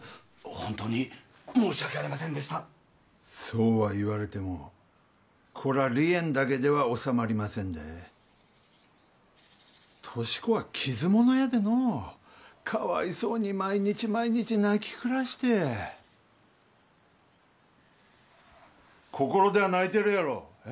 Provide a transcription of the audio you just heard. ホントに申し訳ありませんでしたそうは言われてもこら離縁だけでは収まりませんで俊子は傷物やでのうかわいそうに毎日毎日泣き暮らして心では泣いてるやろええ？